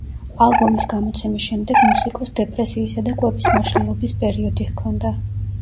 ალბომის გამოცემის შემდეგ მუსიკოსს დეპრესიისა და კვების მოშლილობის პერიოდი ჰქონდა.